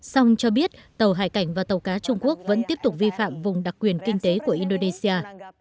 song cho biết tàu hải cảnh và tàu cá trung quốc vẫn tiếp tục vi phạm vùng đặc quyền kinh tế của indonesia